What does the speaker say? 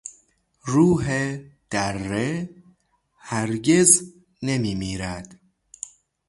روح دره هرگز نمیمیرد.